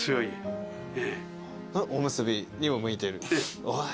おむすびにも向いてる？ええ。